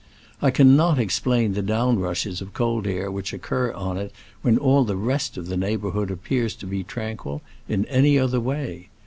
I cannot explain the down rushes of cold air which occur on it when all the rest of the neighborhood appears to be tranquil, in any other way.